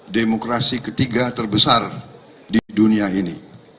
demokrasi ketiga terbesar di dunia ini